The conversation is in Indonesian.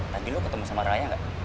tadi lo ketemu sama raya ga